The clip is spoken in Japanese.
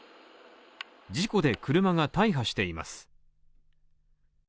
事故で車が大破しています。